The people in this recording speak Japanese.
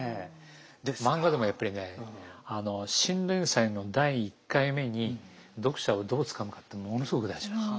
漫画でもやっぱりね新連載の第１回目に読者をどうつかむかってものすごく大事なんです。